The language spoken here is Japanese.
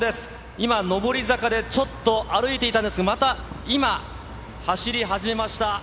今、上り坂でちょっと歩いていたんですが、また今、走り始めました。